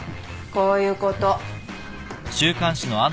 こういうこと。